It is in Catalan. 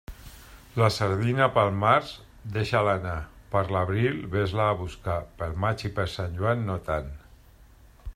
La sardina, pel març, deixa-la anar; per l'abril, vés-la a buscar; pel maig i per Sant Joan, no tant.